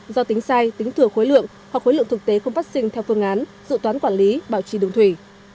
do tính sai tính thừa khối lượng hoặc khối lượng thực tế không phát sinh theo phương án dự toán quản lý bảo trì đường thủy